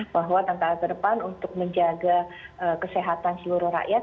bahwa tentara terdepan untuk menjaga kesehatan seluruh rakyat